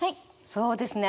そうですね